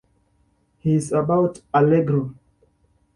He's about "Allegro".